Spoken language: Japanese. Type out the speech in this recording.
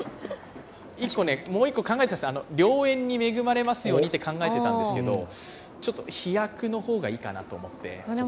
もう一個考えたんです、良縁に恵まれますように、と考えていたんですけど、ちょっと飛躍の方がいいかなと思って。